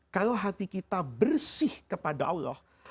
kalau hati kita bersih kepada allah